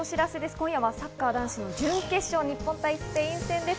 今夜はサッカー男子の準決勝、日本対スペイン戦です。